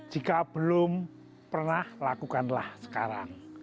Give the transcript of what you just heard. jika belum pernah lakukanlah sekarang